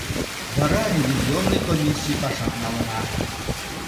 Вара ревизионный комиссий пашам налына.